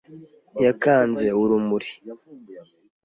yakanze urumuri.